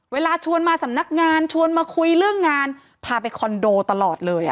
เวลาชวนมาสำนักงานชวนมาคุยเรื่องงานพาไปคอนโดตลอดเลย